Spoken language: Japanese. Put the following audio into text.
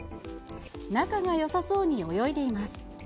仲がよさそうに泳いでいます。